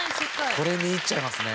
これ見入っちゃいますね。